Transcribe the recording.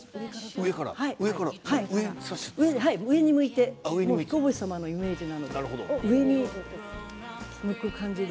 上に向いて、ひこ星様のイメージなので上に向く感じで。